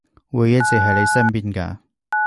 會一直喺你身邊㗎